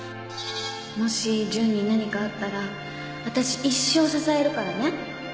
もし純に何かあったら私一生支えるからね。